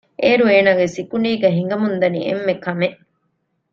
އޭރުގެ އޭނަގެ ސިކުޑީގައި ހިނގަމުންދަނީ އެންމެ ކަމެއް